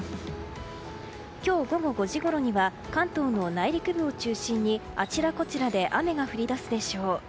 今日午後５時ごろには関東の内陸部を中心にあちらこちらで雨が降り出すでしょう。